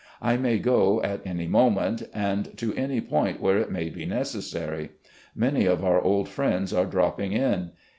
I may go at any moment, and to any point where it may be necessary. ... Many of oiu: old friends are dropping in.